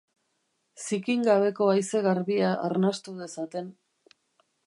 Zikin gabeko haize garbia arnastu dezaten.